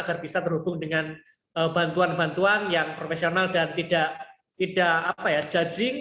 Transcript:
agar bisa terhubung dengan bantuan bantuan yang profesional dan tidak judging